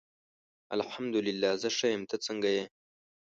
الحمد الله زه ښه یم ته څنګه یی